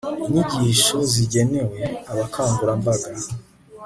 inyigisho zigenewe abakangurambaga